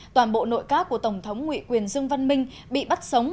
toàn bộ nội các của tổng thống nguyễn quyền dương văn minh bị bắt sống